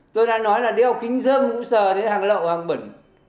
tôi đã nói là đeo kính dâm cũng sờ thấy hàng lậu hàng bẩn